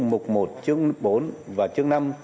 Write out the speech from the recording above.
mục một chương bốn và chương năm